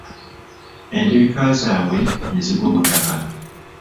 Entegeka zaabwe ne zigwa butaka.